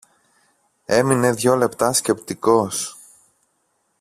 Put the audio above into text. Έμεινε δυο λεπτά σκεπτικός.